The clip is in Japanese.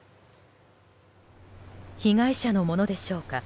被害者のものでしょうか。